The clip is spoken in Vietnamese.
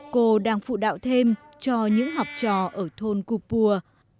cô đang phụ đạo thêm cho những học trò ở thôn cù pùa